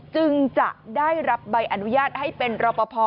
จึงจะได้รับใบอนุญาตให้เป็นรอปภ